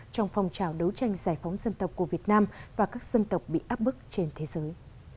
trong phong trào đấu tranh giải phóng dân tộc của việt nam và các dân tộc bị áp bức trên thế giới